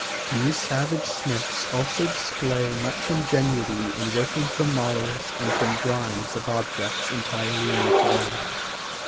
These savage smiths also display much ingenuity in working from models and from drawings of objects entirely new to them.